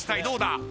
どうだ？